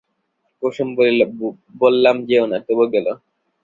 কুসুম বলিল, বললাম যেও না, তবু গেল।